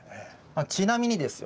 ちなみにですよ